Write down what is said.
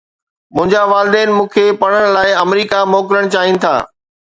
منهنجا والدين مون کي پڙهڻ لاءِ آمريڪا موڪلڻ چاهين ٿا